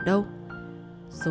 mẹ bảo đâu